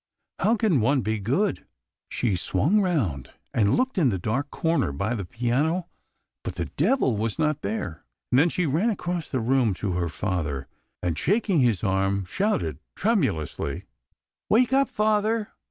How can one be good ? She swung round and looked in the dark corner by the piano; but the Devil was not there. And then she ran across the room to her father, and shaking his arm, shouted, tremu lously " Wake up, father